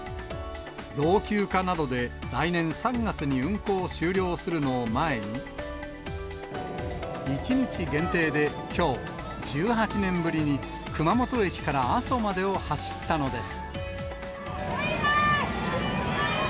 老朽化などで来年３月に運行を終了するのを前に、１日限定で、きょう、１８年ぶりに熊本駅から阿蘇までを走ったのです。